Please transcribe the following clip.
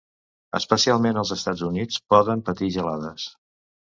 Especialment als Estats Units poden patir gelades.